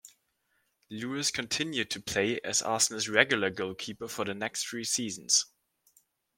Lewis continued to play as Arsenal's regular goalkeeper for the next three seasons.